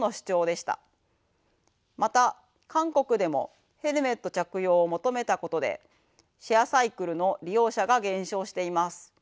また韓国でもヘルメット着用を求めたことでシェアサイクルの利用者が減少しています。